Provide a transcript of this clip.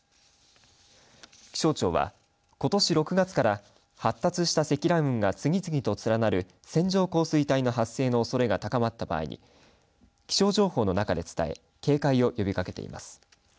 気象庁は、ことし６月から発達した積乱雲が次々と連なる線状降水帯の発生のおそれが高まった場合に気象情報の中で伝え警戒を呼びかけています。